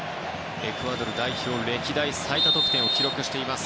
エクアドル代表歴代最多得点を記録しています。